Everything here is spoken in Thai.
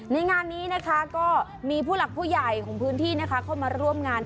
ในงานนี้นะคะก็มีผู้หลักผู้ใหญ่ของพื้นที่นะคะเข้ามาร่วมงาน